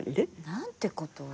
何てことを。